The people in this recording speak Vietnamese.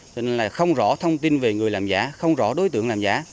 cho nên là không rõ thông tin về người làm giả không rõ đối tượng làm giả